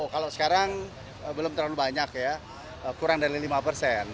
kalau sekarang belum terlalu banyak ya kurang dari lima persen